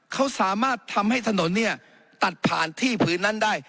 เขาสามารถทำให้ถนนเนี่ยตัดผ่านที่ผืนนั้นได้